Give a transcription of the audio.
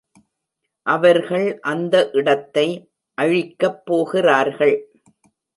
அவர்கள் அந்த இடத்தை அழிக்கப் போகிறார்கள்.